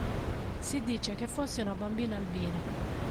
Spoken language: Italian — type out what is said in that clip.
Si dice che fosse una bambina albina.